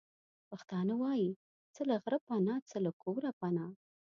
پښتانه وايې:څه له غره پنا، څه له کوره پنا.